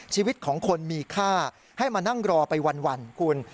ชีวิตของคนมีค่าให้มานั่งรอไปวันคุณ